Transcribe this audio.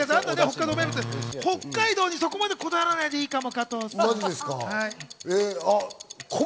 北海道にそこまでこだわらないでいいかも。